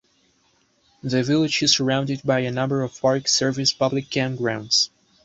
The village is surrounded by a number of Park Service public campgrounds.